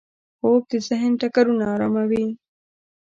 خوب د ذهن ټکرونه اراموي